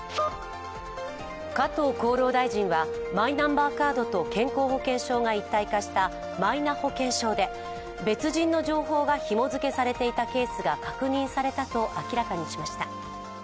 加藤厚労大臣はマイナンバーカードと健康保険証が一体化したマイナ保険証で別人の情報が紐づけされていたケースが確認されたと明らかにしました。